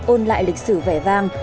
ôn lại lịch sử vẻ vang